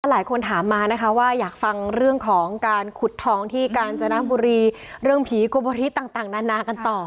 หลายคนถามมานะคะว่าอยากฟังเรื่องของการขุดทองที่กาญจนบุรีเรื่องผีกุโบริต่างนานากันต่อ